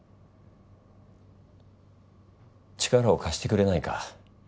力を貸してくれないか。